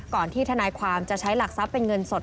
ที่ทนายความจะใช้หลักทรัพย์เป็นเงินสด